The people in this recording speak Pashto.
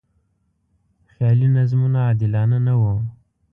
خیالي نظمونه عادلانه نه و.